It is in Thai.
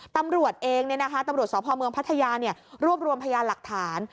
ตำรวจเองตำรวจสพเมืองพัทยารวบรวมพยานหลักฐาน